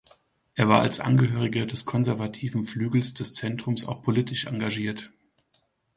Er war als Angehöriger des konservativen Flügels des Zentrums auch politisch engagiert.